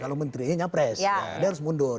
kalau menterinya nyapres dia harus mundur